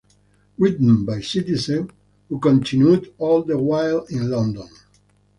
Written by a Citizen who continued all the while in London.